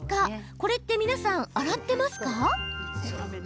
これって、皆さん洗ってますか？